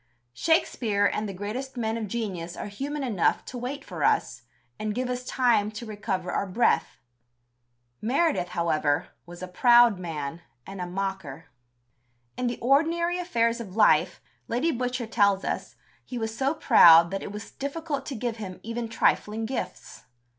Shakespeare and the greatest men of genius are human enough to wait for us, and give us time to recover our breath. Meredith, however, was a proud man, and a mocker. In the ordinary affairs of life, Lady Butcher tells us, he was so proud that it was difficult to give him even trifling gifts.